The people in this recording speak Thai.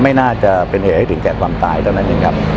ไม่น่าจะเป็นเหตุให้ถึงแก่ความตายเท่านั้นเองครับ